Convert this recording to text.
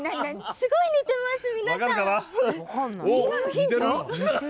すごい似てます、皆さん。